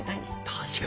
確かに。